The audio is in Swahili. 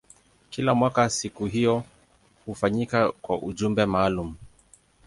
Kila mwaka siku hiyo hufanyika kwa ujumbe maalumu.